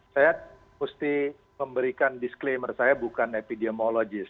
saya mesti memberikan disclaimer saya bukan epidemiologis